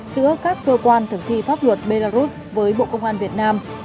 giữa các cơ quan thực thi pháp luật belarus với bộ công an việt nam